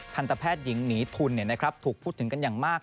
ทันตแพทย์หญิงหนีทุนถูกพูดถึงกันอย่างมาก